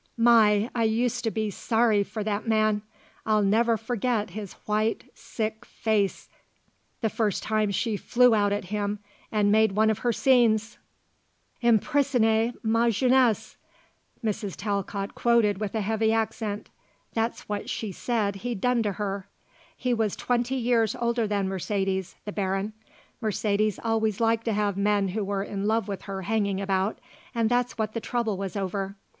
My! I used to be sorry for that man. I'll never forget his white, sick face the first time she flew out at him and made one of her scenes. 'Emprisonné ma jeunesse,'" Mrs. Talcott quoted with a heavy accent. "That's what she said he'd done to her. He was twenty years older than Mercedes, the Baron. Mercedes always liked to have men who were in love with her hanging about, and that's what the trouble was over.